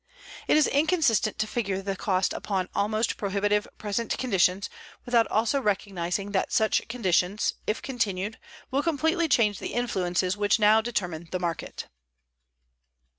It is inconsistent to figure the cost upon almost prohibitive present conditions without also recognizing that such conditions, if continued, will completely change the influences which now determine the market.